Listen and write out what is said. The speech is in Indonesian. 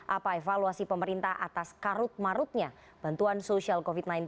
apa evaluasi pemerintah atas karut marutnya bantuan sosial covid sembilan belas